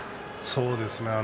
そうですね。